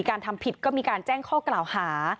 การทำผิดก็มีการแจ้งข้อกล่าวหา